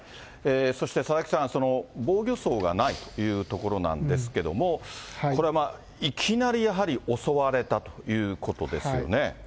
そして佐々木さん、防御創がないというところなんですけども、これはまあ、いきなりやはり襲われたということですよね。